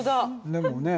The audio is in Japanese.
でもね。